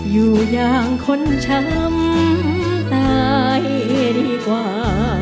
อยู่อย่างคนช้ำตายดีกว่า